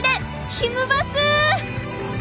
ひむバス！